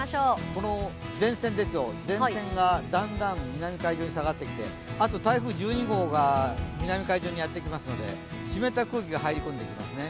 この前線がだんだん南海上に下がってきてあと台風１２号が南海上にやってきますので湿った空気が入り込んできますね。